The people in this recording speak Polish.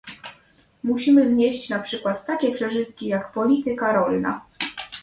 Musimy znieść na przykład takie przeżytki, jak polityka rolna